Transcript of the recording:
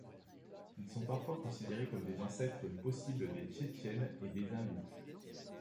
Ils sont parfois considérés comme des ancêtres possibles des Tchétchènes et des Ingouches.